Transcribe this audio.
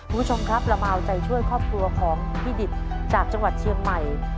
คุณผู้ชมครับเรามาเอาใจช่วยครอบครัวของพี่ดิตจากจังหวัดเชียงใหม่